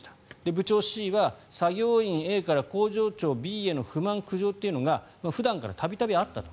部長Ｃは作業員Ａから工場長Ｂへの不満・苦情というのが普段から度々あったと。